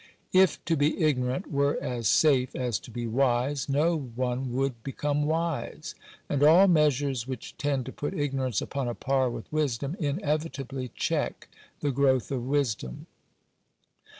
If to be ignorant were as safe as to be wise, no one would become wise. And all measures which tend to put ignorance upon a par with wisdom, inevitably check the growth of wisdom.